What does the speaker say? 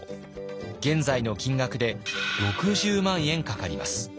現在の金額で６０万円かかります。